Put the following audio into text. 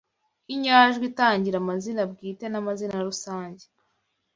Inyajwi itangira amazina bwite n’amazina rusange